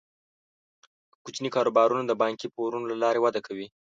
کوچني کاروبارونه د بانکي پورونو له لارې وده کوي.